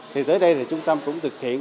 thì tới đây thì trung tâm cũng thực hiện